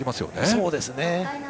そうですね。